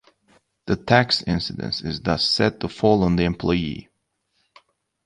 The tax incidence is thus said to fall on the employee.